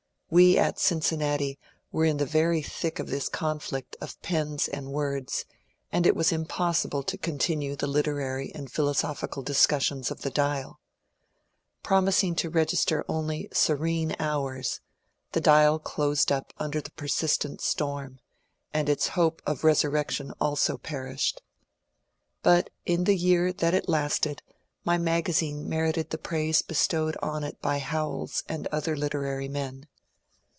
We at Cincinnati were in the very thick of this conflict of pens and words, and it was impossible to continue the literary and philosophical discussions of the ^^ DiaL" Promis ing to register only " serene hours," the " Dial " closed up under the persistent storm, and its hope of resurrection also perished. But in the year that it lasted my magasine merited the praise bestowed on it by Howells and other literary men.